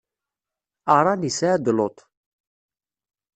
Aṛan isɛa-d Luṭ.